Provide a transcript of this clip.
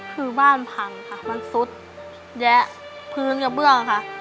คือบ้านพังค่ะมันซุดแยะพื้นกระเบื้องค่ะ